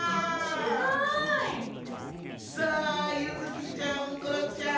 すごい！さあゆづきちゃん・みころちゃん